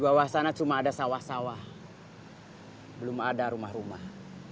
bawah sana cuma ada sawah sawah belum ada rumah rumah